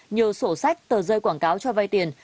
nhờ sổ sách tờ rơi quảng cáo cho vai tiền